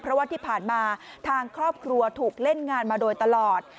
เพราะว่าที่ผ่านมาทางครอบครัวถูกเล่นงานมาโดยตลอด